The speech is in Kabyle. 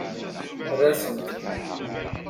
Rret-asent.